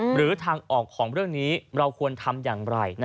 หรือทางออกของเรื่องนี้เราควรทำอย่างไร